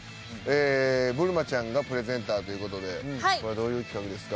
ぶるまちゃんがプレゼンターという事でこれはどういう企画ですか？